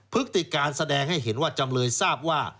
พฤติการแสดงให้เห็นว่าจำเลยทราบว่า